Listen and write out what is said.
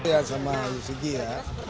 ya sama yusigi ya